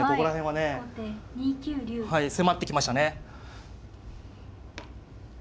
はい迫ってきましたね。